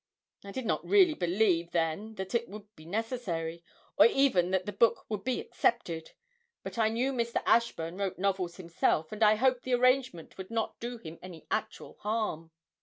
I did not really believe then that that would be necessary, or even that the book would be accepted, but I knew Mr. Ashburn wrote novels himself, and I hoped the arrangement would not do him any actual harm.'